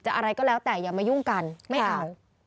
อะไรก็แล้วแต่อย่ามายุ่งกันไม่เอา